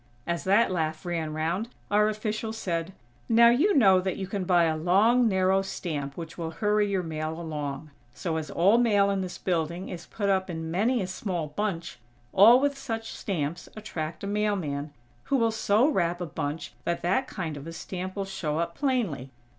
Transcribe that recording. As that laugh ran round, our official said: "Now you know that you can buy a long, narrow stamp which will hurry your mail along. So, as all mail in this building is put up in many a small bunch, all with such stamps attract a mailman, who will so wrap a bunch that that kind of a stamp will show up plainly.